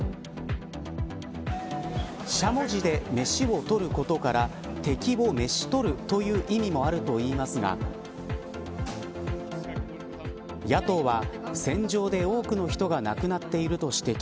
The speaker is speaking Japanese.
しゃもじで飯を取ることから敵をめしとるという意味もあるといいますが野党は、戦場で多くの人が亡くなっていると指摘。